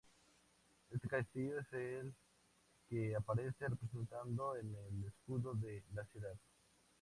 Este castillo es el que aparece representado en el escudo de la ciudad.